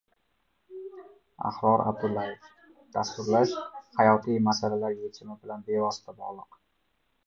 Ahror Abdullayev: «Dasturlash – hayotiy masalalar yechimi bilan bevosita bog‘liq»